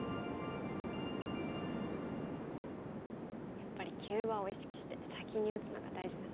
やっぱり急場を意識して先に打つのが大事なんですね。